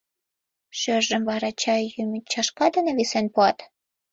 Шӧржым вара чай йӱмӧ чашка дене висен пуат...